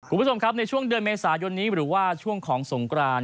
คุณผู้ชมครับในช่วงเดือนเมษายนนี้หรือว่าช่วงของสงกราน